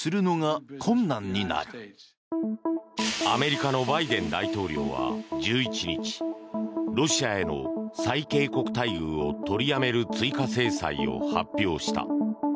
アメリカのバイデン大統領は１１日ロシアへの最恵国待遇を取りやめる追加制裁を発表した。